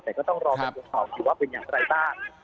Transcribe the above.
แต่ก็ต้องรอบทุกทางสิ่งที่ว่าเป็นอย่างไรบ้าง